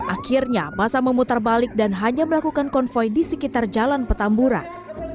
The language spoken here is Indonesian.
akhirnya masa memutar balik dan hanya melakukan konvoy di sekitar jalan petamburan